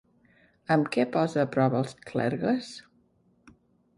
Amb què posa a prova als clergues?